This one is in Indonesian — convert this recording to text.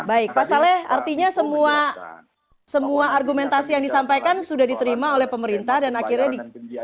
baik pak saleh artinya semua argumentasi yang disampaikan sudah diterima oleh pemerintah dan akhirnya di